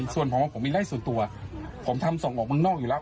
ส่วนผมผมมีไล่ส่วนตัวผมทำส่งออกเมืองนอกอยู่แล้ว